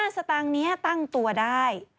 สตางค์นี้ตั้งตัวได้